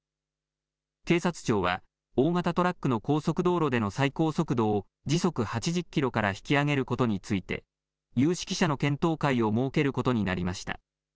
警察庁は大型トラックの高速道路での最高速度を時速８０キロから引き上げることについて有識者の検討会を設けることになりました。